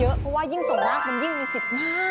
เพราะว่ายิ่งส่งมากมันยิ่งมีสิทธิ์มาก